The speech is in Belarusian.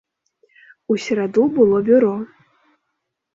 У сераду было бюро.